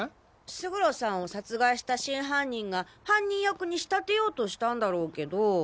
勝呂さんを殺害した真犯人が犯人役に仕立てようとしたんだろうけど。